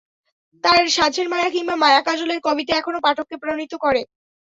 তাঁর সাঁঝের মায়া কিংবা মায়া কাজল-এর কবিতা এখনো পাঠককে প্রাণিত করে।